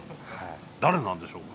誰なんでしょうか？